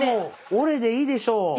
「おれ」でいいでしょう。